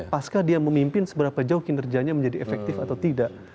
pasca dia memimpin seberapa jauh kinerjanya menjadi efektif atau tidak